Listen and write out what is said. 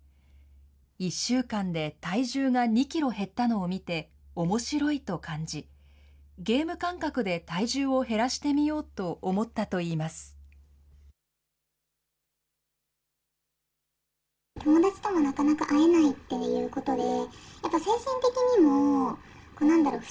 １週間で体重が２キロ減ったのを見て、おもしろいと感じ、ゲーム感覚で体重を減らしてみようと思ったといいます。